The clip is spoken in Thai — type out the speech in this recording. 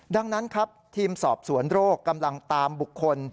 ดังนั้นครับทีมสอบสวนโรคกำลังตามบุคคล